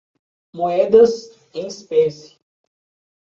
Moedas em espécie